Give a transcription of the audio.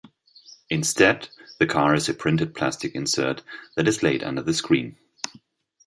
Instead, the car is a printed plastic insert that is laid under the screen.